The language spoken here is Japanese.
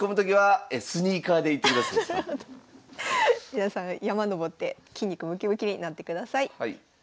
皆さん山登って筋肉ムキムキになってください。